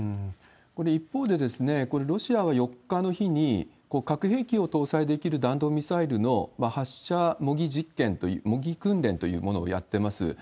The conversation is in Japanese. これ、一方で、これはロシアは４日の日に、核兵器を搭載できる弾道ミサイルの発射模擬実験、模擬訓練というものをやってます。